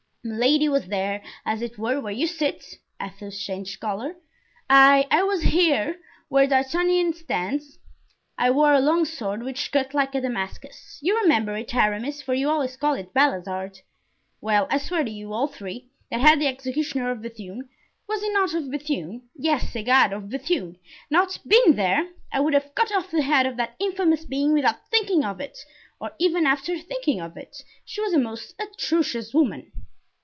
Milady was there, as it were, where you sit." (Athos changed color.) "I—I was where D'Artagnan stands. I wore a long sword which cut like a Damascus—you remember it, Aramis for you always called it Balizarde. Well, I swear to you, all three, that had the executioner of Bethune—was he not of Bethune?—yes, egad! of Bethune!—not been there, I would have cut off the head of that infamous being without thinking of it, or even after thinking of it. She was a most atrocious woman."